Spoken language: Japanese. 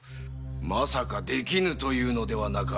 まさかできぬと言うのではなかろうな？